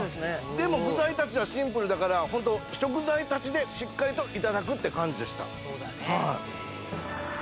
でも具材たちはシンプルだからホント食材たちでしっかりと頂くって感じでした。